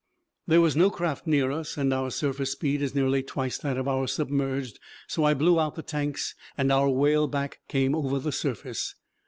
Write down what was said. There was no craft near us, and our surface speed is nearly twice that of our submerged, so I blew out the tanks and our whale back came over the surface.